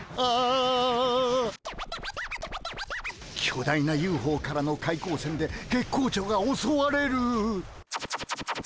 巨大なＵＦＯからの怪光線で月光町がおそわれる。